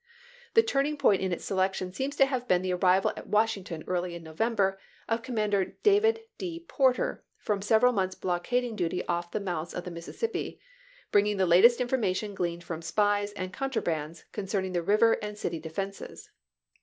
The turning point in its selection seems to have been the arrival at Washington early in November of Commander David D. Porter from several months' blockading duty off the mouths of the Mississippi, bringing the latest information gleaned from spies and contrabands concerning the river and city de fenses.